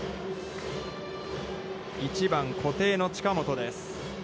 １番固定の近本です。